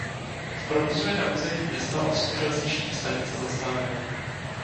V provozu je na území města osm železničních stanic a zastávek.